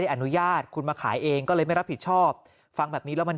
อนุญาตคุณมาขายเองก็เลยไม่รับผิดชอบฟังแบบนี้แล้วมัน